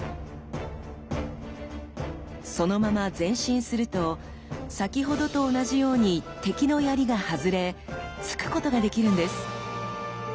そのまま前進すると先ほどと同じように敵の槍が外れ突くことができるんです。